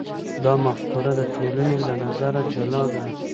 دا مفکوره د ټولنې له نظره جلا ده.